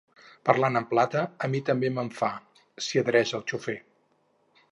Parlant en plata, a mi també me'n fa —s'hi adhereix el xofer.